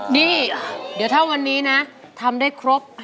นี่เดี๋ยวถ้าวันนี้นะทำได้ครบ